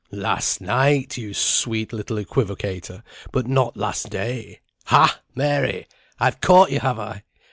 "_] "Last night, you sweet little equivocator, but not last day. Ha, Mary! I've caught you, have I?"